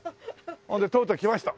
それでとうとうきました。